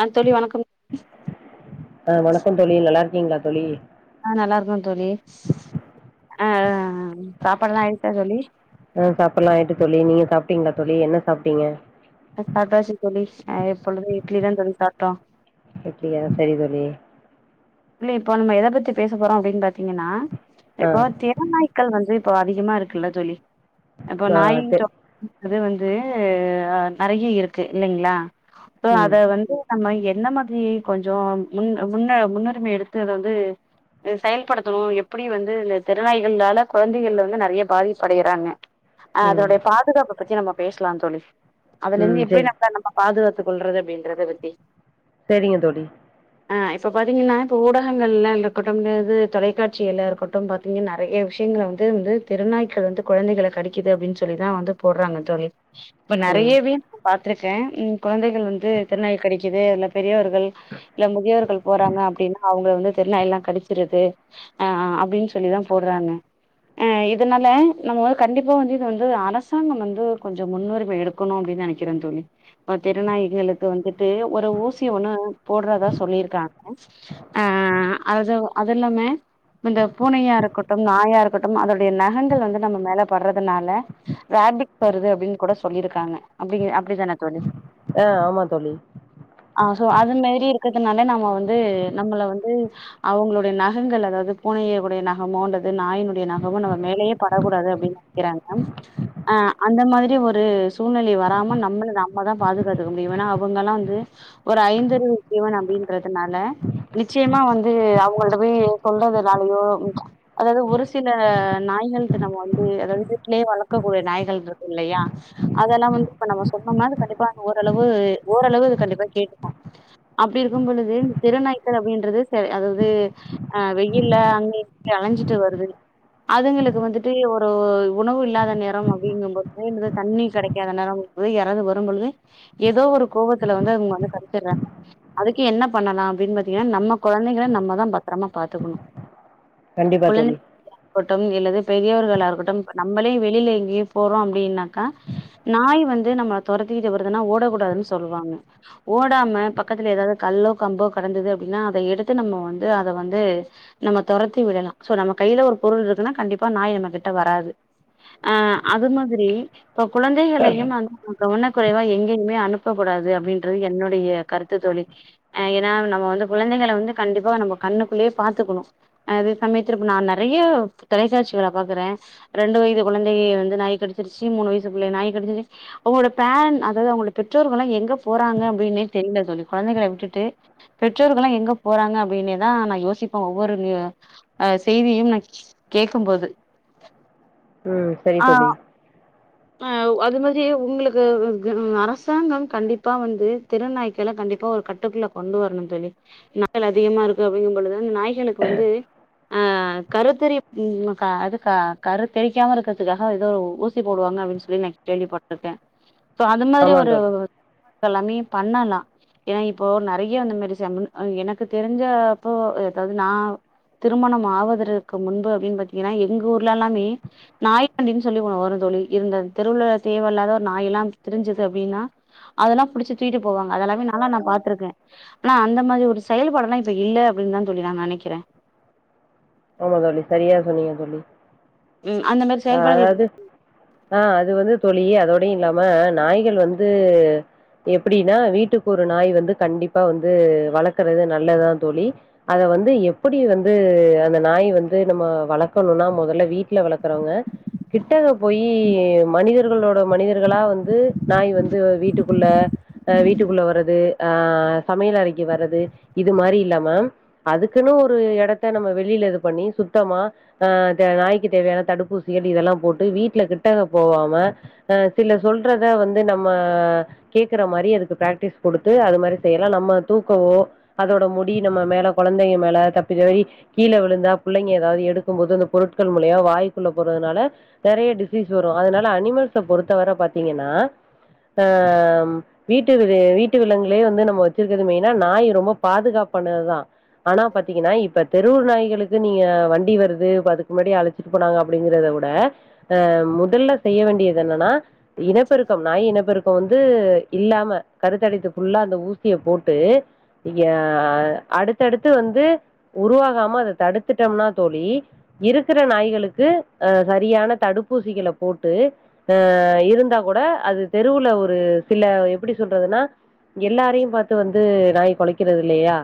ஆ தோழி வணக்கம் ஆ வணக்க தோழி நல்லா இருக்கீங்களா தோழி ஆ நல்லா இருக்கோ தோழி ஆ சாப்பாடுல்லா ஆயிடுச்சா தோழி ஆ சாப்பாட்லா ஆயிட்டு தோழி நீங்க சாப்ட்டீங்களா தோழி என்ன சாப்ட்டீங்க ஏ சாப்டாச்சு தோழி இப்பொழுது இட்லி தா தோழி சாப்டோ அப்டியா செரி தோழி ழி இப்ப நம்ம எத பத்தி பேச போறோ அப்டின் பாத்தீங்கன்னா ஆ இப்ப தெருநாயிக்கள் வந்து இப்போ அதிகமா இருக்குல்ல தொல்லி அப்போ ஆ நாய் சே இன்டோ அது வந்து நிறைய இருக்கு இல்லைங்களா சோ ம் அத வந்து நம்ம என்ன மாதிரி கொஞ்சொ முன் முன்ன முன்ன நம்ம எடுத்து அத வந்து செயல்படுத்தணு எப்படி வந்து இந்த தெருநாய்கள்னால கொழந்தைகள் வந்து நிறைய பாதிப்படையறாங்க அ ம் அதோட பாதுகாப்ப பத்தி நம்ம பேசலா தோழி அதுல ம் இந்து எப்டி சரி நம்மள நம்ம பாதுகாத் து கொல்றது அப்டின்றத பத்தி சேரிங்க தோழி ஆ இப்ப பாத்தீங்கன்னா ப்ப ஊடகங்கள்லாம் இருக்கட்டும்து தொலைக்காட்சி எல்லா இருக்கட்டு பாத்தீங்கன்ன நிறைய விஷயங்களை வந்து வந்து திருநாய்க்கள் வந்து கொழந்தங்களை கடிக்குது அப்டின் சொல்லிதா வந்து போடுறாங்க தோழி இப்ப ம் நிறையவே பா ட்ருக்கே கொழந்தகள் வந்து தெருநாய் கடிக்குது இல்ல பெரியவர் ர்கள் இல்ல முதியோர்கள் போறாங்க அப்டின்னா ஒங்கள வந்து தெருநாய் எல்லா கடிச்சிருது அ அப்டின்னு சொல்லிதா போடுறாங்க ஆ இதனால நம்ம வ கண்டிப்பா வந்து இது வந்து அரசாங்கம் வந்து கொஞ்சோ முன்னுரிமை எடுக்கணு அப்டின்னு நெனைக்கிறே தோழி தெருநாய்களுக்கு வந்துட்டு ஒரு ஊசி ஒன்னு போட்றதா சொல்லிருக்காங்க ஆ அது அது எல்லாமே இந்த பூனையா இருக்கட்டும் நாயா இருக்கட்டும் அதோடைய நகங்கள் வந்து நம்ம மேல பட்றதுனால ராப்பிக் வருது அப்டின்னு கூட சொல்லிருக்காங்க அப்டி அப்டித்தான தோழி ஆ ஆமா தோழி ஸோ அது மேரி இருக்கற்துனால நம்ம வந்து நம்மள வந்து அவங்களோடைய நகங்கள் அதாவது பூனையினுடைய நகமோ நாயினுடைய நகமோ நம்ம மேலேயே படக்கூடாது அப்டின்னு நெனைக்கிறாங்க ஆ அந்த மாதிரி ஒரு சூழ்நிலை வராம நம்மள நாம்மதா பாதுகாத்துக்க முடியு ஏன்னா அவங்கல்லா வந்து ஒரு ஐந்தரிவு ஜீவன் அப்டின்றதுனால நிச்சயமா வந்து அவங்கள்ட போய் சொல்றதுனாலயோ அதாவது ஒரு சில நாய்கள்ட நம்ம வந்து அதாவது வீட்லேயே வளக்கக்கூடிய நாய்கள்ருக்கு இல்லையா அதெல்லா வந்து இப்ப நம்ம சொன்னோம்னா அது கண்டிப்பா ஓரளவு ஓரளவு அது கண்டிப்பா கேக்கு அப்டி இருக்கும் பொழுது தெருநாய் க்கு அப்டின்றது சரி அதாவது அ வெயில்ல அங்க இங்க அலைஞ்சிட்டு வருது அதுங்களுக்கு வந்துட்டு ஒரு உணவு இல்லாத நேரம் அப்படிங்கும்பொழுது தண்ணி கெடைக்காத நேரம் அப்டிங்கும் பொழுது யாறாவது வரும் பொழுது ஏதோ ஒரு கோபத்துல வந்து அவங்க வந்து கடிச்சிற்றாங்க அதுக்கு என்ன பண்ணலா அப்டினு ஏ நம்ம கொழந்தைங்கள நம்மதா பத்தரமா பாத்துக்கணு கண்டிப்பா குழந்தை தோழி தோட்டம் இல்லது பெரியவர்களா இருக்கட்டும் நம்மளே வெளில எங்கேயு போறோ அப்டின்னாக்கா நாய் வந்து நம்ம தொரத்திட்டு வருதுனா ஓடக்கூடாதுன்னு சொல்லுவாங்க ஓடாம பக்கத்துல ஏதாவது கல்லோ கம்போ கடந்தது அப்டின்னா அத எடுத்து நம்ம வந்து அத வந்து நம்ம தொரத்தி விடலா சோ நம்ம கையில ஒரு பொருள் இருக்குன்னா கண்டிப்பா நாய் நம்ம கிட்ட வராது ஆ அது மாதிரி இப்ப குழந்தைகளையும் வந்து கவனக்குறைவா எங்கயுமே அனுப்பக்க கூடாது அப்டின்றது என்னுடைய கருத்து தோலி ஆ ஏன்னா நம்ம வந்து குழந்தைங்கள வந்து கண்டிப்பா நம்ப கண்ணுக்குள்ளயே பாத்துக்கணு அதே சமயத்து இப்ப நா நெறைய தொலைக்சாட்சிகள பாக்குறே ரெண்டு வயது குழந்தைய வந்து நாய் கடிச்சிருச்சு மூணு வயசு புள்ளய நாய் கடிச்சிருச்சு அவங்களோட பேரன்ஸ் அதாவது அவங்களோட பெற்றோர்கள்லா எங்க போறாங்க அப்டின்னே தெரில தோலி கொழந்தைகள விட்டுட்டு பெற் ற்றோர்கள்லா எங்க போறாங்க அப்டின்னே தா நா யோசிப்பே ஒவ்வொரு நியூ அ செய்தியு நா கேக்கும்போது ம் சரி ஆ தோலி அ அது மாரியே உங்களுக்கு அரசாங்கம் கண்டிப்பா வந்து தெருநாய்க்கள கண்டிப்பா ஒரு கட்டுக்குள்ள கொண்டு வரணும் தோலி நாய்கள் அதிகமா இருக்கு அப்டிங்கும் பொழுது அந்த நாய்க்களுக்கு வந்து அ கருத்தறி ம் க அதுக் க கருத்தறிக்காம இருக்கறதுக்காக ஏதோ ஊசிப் போடுவாங்க அப்டின்னு சொல்லி நா கேள்வி பட்டுருக்கே சோ அது மாதிரி ஆமா ஒரு தோழி சொல்லாமே பண்ணலா ஏன்னா இப்போ நெறைய்ய அந்த மாரி செம்முன்னு அ எனக்கு தெரிஞ்ச அப்போ ஏதாவது நா திருமணம் ஆவதற்கு முன்பு அப்டின்னு பாத்தீங்கன்னா எங்க ஊர்ல எல்லாமே நாய் வண்டின்னு சொல்லி ஒன்னு வரு தோலி இருந்த தெருவுல தேவையில்லாத ஒரு நாய் எல்லாம் திரிஞ்சுது அப்டின்னா அதெல்லா புடிச்சு தூக்கிட்டு போவாங்க அதெல்லாமே நால்லா நான் பாத்துருக்கே ஆனா அந்த மாரி ஒரு செயல்பாடல்லா இப்ப இல்ல அப்டின் தா தோலி நா நெனைக்கறேன் ஆமா தோலி சரியா சொன்னீங்க தோலி ம் அந்த மாரி ஆ செயல்பாடுகள் அதாவது ஆ அது வந்து தோலி அது அதோடயு இல்லாம நாய்கள் வந்து எப்படின்னா வீட்டுக்கு ஒரு நாய் வந்து கண்டிப்பா வந்து வளக்கறது நல்லதுதா தோலி அத வந்து எப்படி வந்து அந்த நாய் வந்து நம்ம வளக்கணுன்னா மொதல்ல வீட்ல வளர்க் அப்றொங்க கிட்ட போயி மனிதர்களோட மனிதர்களா வந்து நாய் வந்து வீட்டுக்குள்ள ஆ வீட்டுக்குள்ள வரது ஆ சமையல் அறைக்கு வர்றது இது மாரி இல்லாம அதுக்குன்னு ஒரு எடத்த நம்ம வெளில இது பண்ணி சுத்தமா ஆ தே நாய்க்கு தேவையான தடுப்பூசிகள் இதெல்லா போட்டு வீட்ல கிட்டக போவாம ஆ சில சொல்றத வந்து நம்ம கேக்குற மாரி அதுக்கு பிராக்டிஸ் குடுத்து அது மாரி செய்யலா நம்ம தூக்கவோ அதோட முடி நம்ம மேல கொழந்தைங்க மேல தப்பி தவரி கீல விலுந்தா புள்ளைங்க ஏதாவது எடுக்கும் போது அந்த பொருட்கள் மூலயா வாய் க்குள்ள போறதனால நெறைய டிசீஸ் வரு அதனால அனிமல்ஸ பொறுத்தவர பாத்தீங்கன்னா ஆம் வீட்டு விலங் வீட்டு விலங்குலையே வந்து நம்ப வச்சிருக்குறது மெய்னா நாய் ரொம்ப பாதுகாப்பானதுதா ஆனா பாத்தீங்கன்னா இப்ப தெரு நாய்களுக்கு நீங்க வண்டி வருது அதுக்கு முன்னாடி அழச்சிட்டு போனாங்க அப்படிங்கறத விட ஆ முதல்ல செய்ய வேண்டியது என்னன்னா இனப்பெருக்கம் நாய் இனப்பெருக் இப்ப வந்து இல்லாம கருத்தரித்துக்குல்ல அந்த ஊசிய போட்டு ய அடுத்தடுத்து வந்து உருவாகாம அத தடுத்துட்டோம்னா தோலி இருக்குற நாய்களுக் க்கு அ சரியான தடுப்பூசிகள போட்டு ஆ இருந்தா கூட அது தெருவுல ஒரு சில எப்படி சொல்றதுன்னா எல்லாரையு பாத்து வந்து நாய் கொலைக்கறதில்லையா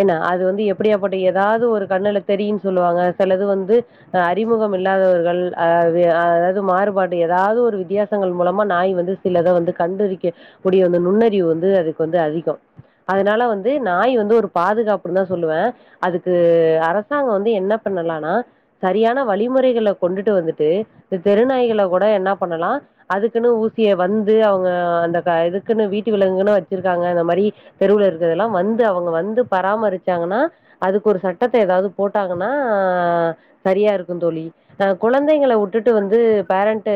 ஏன்னா அது வந்து எப்படியாப்பட்ட ஏதாவது ஒரு கண்ணுல தெரியுன் சொல்லுவாங்க சிலது வந்து அ அறிமுகம் இல்லாதவர்கள் ஆ இது அதாவது மாறுபாடு தாவது ஒரு வித்தியாசங்கள் மூலமா நாய் வந்து சிலத வந்து கண்டறிக்கக்கூடிய அந்த நுண்ணறிவு வந்து அதுக்கு வந்து அதிகொ அதனால வந்து நாய் வந்து ஒரு பாதுகாப்புன்னு தா சொல்லுவே அதுக்கு அரசாங்கொ வந்து என்ன பண்ணலான்னா சரியான வழிமுறைகள கொண்டுட்டு வந்துட்டு இந்த தெருநாய்கள கூட என்ன பண்ணலா அதுக்குன்னு ஊசிய வந்து அவங்க அந்த க இதுக்குன்னு வீட்டு விலங்குன்னு வச்சிருக்காங்க இந்த மாரி தெருவுல இருக்கறதல்லா வந்து அவுங்க வந்து பராமரிச்சாங்கன்னா அதுக்கு ஒரு சட்டத்த ஏதாவது போட்டாங்கன்னா சரியா இருக்கு தோலி அ குழந்தைங்கள உட்டுட்டு வந்து பேரண்ட்டு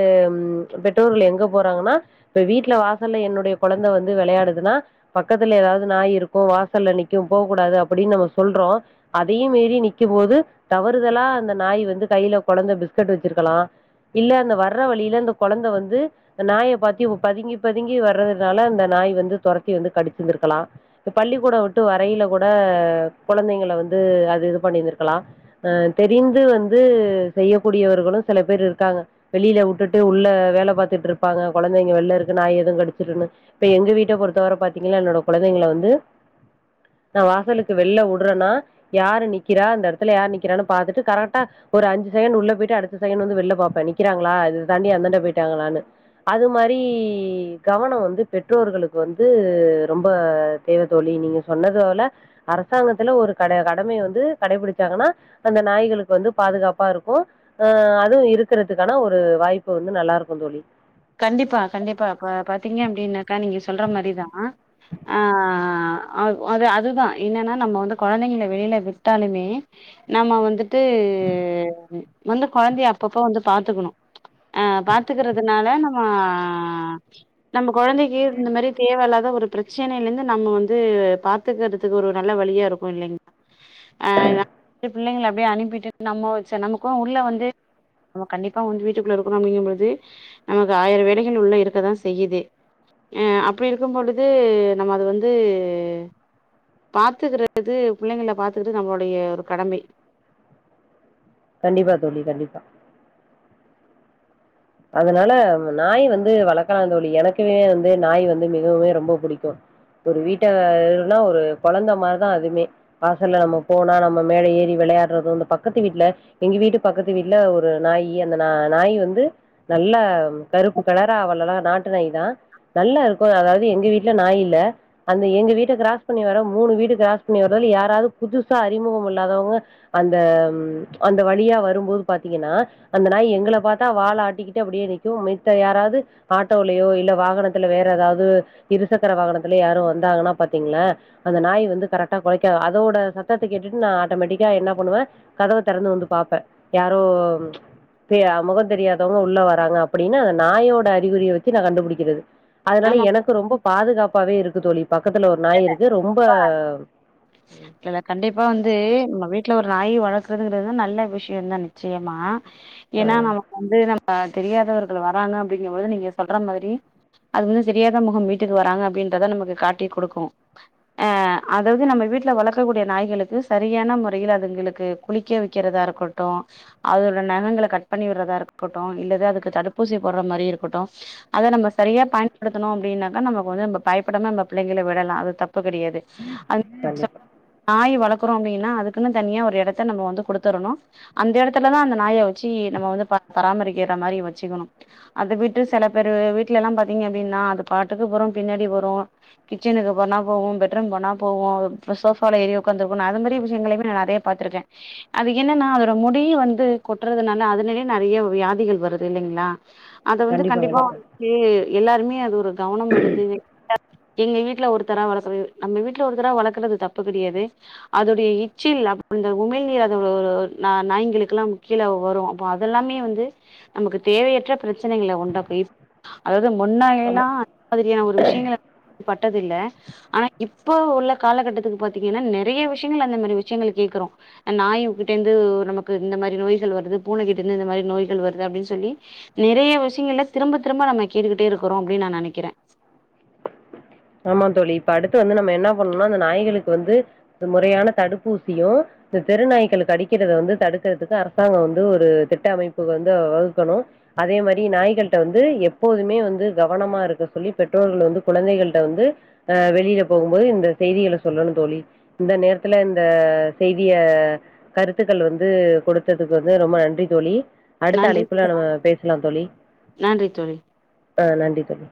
பெற்றோர்கள் எங்க போறாங்கன்னா இப்ப வீட்ல வாசல்ல என்னுடைய கொழந்தை வந்து வெளையாடுதுன்னா பக்கத்துல ஏதாவது நாய் இருக்கு வாசல்ல நிக்கும் போக்கூடாது அப்படின்னு நம்ம சொல்றோ அதையு மீறி நிக்கும்போது தவறுதலா அந்த நாய் வந்து கைய்ல கொழந்த பிஸ்கட் வச்சிருக்கலா இல்ல அந்த வர்ற வழில அந்த கொழந்த வந்து நாய பாத்து பதுங்கி பதுங்கி வற்றதுனால அந்த நாய் வந்து தொரத்தி வந்து கடிச்சிருத்துக்கலா பள்ளிக்கூடோ விட்டு வரையில கூட கொழந்தைங்க வந்து அது இது பண்ணிருந்துருக்கலா அ தெரிந் து வந்து செய்யக்கூடியவர்களு சில பேர் இருக்காங்க வெளில உட்டுட்டு உள்ள வேல பாத்துட்டு இருப்பாங்க கொழந்தைங்க வெள்ல இருக்கு நாய் ஏது கடிச்சிறுன்னு இப்ப எங்க வீட்ட பொத்தவர பாத்தீங்கனா என்னோட கொழந்தைங்கள வந்து நா வாசலுக்கு வெள்ள உட்றேன்னா யாரு நிக்கிறா அந்த எடத்துல யார் நிக்குறானு பாத்துட்டு கரக் ட்டா ஒரு அஞ்சு செகண்ட் உள்ள போய்ட்டு அடுத்த செகண்ட் வந்து வெள்ல பாப்பே நிக்கிறாங்களா இது தாண்டி அந்தாண்ட போயிட்டாங்களான்னு அது மாரி கவனோ வந்து பெற்றோர்களுக்கு வந்து ரொம்ப தேவ தோலி நீங்க சொன்னது போல அரசாங்கத்துல ஒரு கட கடமைய வந்து கடைபுடிச்சாங்கன்னா அந்த நாய்களுக்கு கு வந்து பாதுகாப்பா இருக்கு அ அதுவு இருக்கறதுக்கான ஒரு வாய்ப்பு வந்து நல்லா இருக்கு தோலி கண்டிப்பா கண்டிப்பா இப்ப பாத்தீங்க அப்படின்னாக்கா நீங்க சொல்ற மாரிதா ஆ அது அதுதா என்னன்னா நம்ம வந்து கொழந்தைங்கள வெளில விட்டாலுமே நம்ம வந்துட் ட்டூ வந்து கொழந்தைய அப்பப்ப வந்து பாத்துக்கணு அ பாத்துக்கறதுனால நம் ம்ம நம்ப கொழந்தைக்கு இந்த மாரி தேவல்லாத ஒரு இந்த பிரச்சனைைல இருந்து நம்ம வந்து பாத்துக்கறதுக்கு ஒரு நல்ல வழியா இருக்கு இல்லைங் ஆஹ் பிள்ளைங்கள அப்படியே அனுப்பிட்டு நம்ம வச்ச நமக்கும் உள்ள வந்து நம்பா கண்டிப்பா வந்து வீட்டுக்குள்ள இருக்கணும் அப்படின்றபோது நமக்கு ஆயிரம் வேலைகள் உள்ள இருக்கதான் செய்யுது அஹ் அப்படி இருக்கும் பொழுது நம்ம அது வந்து பாத்துக்கிறது பிள்ளைங்களை பாத்துக்கிறது நம்மளுடைய ஒரு கடமை கண்டிப்பா தோழி கண்டிப்பா அதனால நாய் வந்து வளர்க்கலாம் தோழி எனக்குமே வந்து நாய் வந்து மிகவுமே ரொம்ப பிடிக்கும் ஒரு வீட்டை இருனா ஒரு கொழந்த மாதிரிதான் அதுமே வாசல்ல நம்ம போனா நம்ம மேல ஏறி விளையாடுறதும் இந்த பக்கத்து வீட்டுல எங்க வீட்டு பக்கத்து வீட்டுல ஒரு நாய் அந்த ந நாய் வந்து நல்லா கருப்பு கலரா வல்லலாம் நாட்டு நாய் தான் நல்லா இருக்கும் அதாவது எங்க வீட்டுல நாய் இல்ல அந்த எங்க வீட்டை கிராஸ் பண்ணி வர மூணு வீடு கிராஸ் பண்ணி வர்றததுல யாராவது புதுசா அறிமுகம் இல்லாதவங்க அந்த அந்த வழியா வரும்போது பாத்தீங்கன்னா அந்த நாய் எங்கள பாத்தா வாலாட் கிட்ட அப்படியே நிக்கும் மித்த யாராவது ஆட்டோலயோ இல்ல வாகனத் வேற ஏதாவது இருசக்கர வாகனத்துல யாரும் வந்தாங்கன்னா பாத்தீங்கன்னா அந்த நாய் வந்து கரெக்ட்டா அதோட சத்தத்த கேட்டு நான் ஆட்டோமேட்டிக்கா என்ன பண்ணுவேன் கதவை திறந்து வந்து பார்ப்பேன் யாரோ முகம் தெரியாத யாரோ உள்ள வராங்க அப்படின்ன அந்த நாயோட அறிகுறியே வச்சு நா கண்டுபிடிக்கிறது அதனால ஆமா எனக்கு ரொம்ப பாதுகாப்பு பவே இருக்கு தோழி பக்கத்தில ஒரு நாய் இருக்கு ரொம்ப ப்ப இல்ல கண்டிப்பா வந்து நம்ம வீட்டுல ஒரு நாய் வளர்க்கறதுங்கிறது நல்ல விஷயம் தான் நிச்சயமா அ ஏன்னா நமக்கு வந்து நம் தெரியாதவர்கள் வராங்க அப்படிங்கும்போது நீங்க சொல்ற மாதிரி அது வந்து தெரியாத முகம் வீட்டுக்கு வராங்க அப்புடின்றத நமக்கு காட்டி கொடுக்கும் ஆ அதாவது நம்ம வீட்டுல வளர்க்கக்கூடிய நாய்களுக்கு சரியான முறையில அதுங்களுக்கு குளிக்க வைக்கிறதா இருக்கட்டும் அதோட நகங்களை கட் பண்ணி விடுறதா இருக்கட்டும் இல்லது அதுக்கு தடுப்பூசி போடுற மாரி இருக்கட்டும் அதை நம்ம சரியா பயன்படுத்தணும் அப்படின்னாக்கா நம்மக்கு வந்து நம்ம பயப்படாம நம்ம பிள்ளைங்களை விடலாம் அது த கெடையாது அது சொ கண்டிப்பா நாய் வா வளர்கறோம் அப்படின்னா அதுக்குன்னு தனியா ஒரு இடத்த நம்ம வந்து கொடுத்துரணும் அந்த இடத்துலதான் அந்த நாய வச்சு நம்ம வந்து பராமரிக்கிற மாதிரி வச்சுக்கணும் அத விட்டு சில பேரு வீட்டுல எல்லாம் பாத்தீங்க அப்படின்னா அது பாட்டுக்கு போறோம் பின்னாடி வரும் கிச்சனுக்கு போகும் போவும் பெட் ரூம் போன போவும் அப்றம் சோபால ஏறி ஓட்காந்து இருக்கும் அது மாதிரி எங்க இதுலயும் நான் பார்த்து இருக்கேன் அது என்னனா அதோட முடியும் வந்து கொட்றதுனால அதுலயே நெறைய வியாதி வருது இல்லைங்களா அத வந்து கண்டிப்பா பேக்கு எல்லாருமே அது ஒரு கவனம் எடுத்து எங்க வீட்டுல ஒருத் ஒருத்தாரா வளர்க்கறது நம்ம வீட்டுல ஒருத்தாரா வளர்க்கறது தப்பு கெடையாது அதுடைய எச்சில் அந்த உமிழ்நீர் அது ஒரு நாய்ங்களுக்கெல்லாம் கீழே வரும் அதெல்லாமே வந்து நமக்கு தேவையற்ற பிரச்சனைகள உண்டாக்கும் முன்னயெல்லாம் அந்த மாதிரியான ஒரு விஷயங்கள பட்டு விட்டத்தில ஆனா இப்ப உள்ள காலகட்டத்துக்கு பாத்தீங்கன்னா நெறைய விஷயங்கள் அந்த மாரி விஷயங்கள் கேக்குறோம் ஹ் நாயிங்ககிட்ட இருந்து நமக்கு இந்த மாரி நோய்கள் வருது பூனை கிட்ட இருந்து இந்த மாரி நோய்கள் வருது அப்டின்னு சொல்லி நெறைய விஷயங்கள்ல திரும்ப-திரும்ப நம்ம கேட்டுக்கிட்டே இருக்கிறோம் அப்டின்னு நா நெனைக்கிறேன் ஆமா தோழி இப்ப அடுத்து வந்து நம்ம என்ன பண்ணணும்னா அந்த நாய்களுக்கு வந்து முறையான தடுப்பூசியும் இந்த தெருநாய்கள் கடிக்கிறத வந்து தடுக்கிறதுக்கு அரசாங்க வந்து ஒரு திட்ட அமைப்பு வந்து வகுக்கனும் அதே மாரி நாய்கள்ட்ட வந்து எப்போதுமே வந்து கவனமா இருக்க சொல்லி பெற்றோர்கள் வந்து குழந்தைக வந்து அஹ் வெளிய போகும்போது இந்த செய்திகளை சொல்லணும் தோழி இந்த நேரத்துல இந்த செய்திய கருத்துக்கள வந்து கொடுத்ததுக்கு வந்து ரொம்ப நன்றி தோழி அடுத்த நன்றி அழைப்புல நம்ம பேசலாம் தோழி நன்றி தோழி ஆஹ் நன்றி தோழி